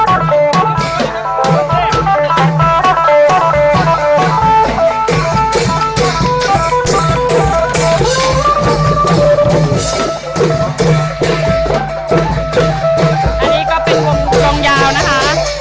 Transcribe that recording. อันนี้ก็เป็นกลมยาวนะคะ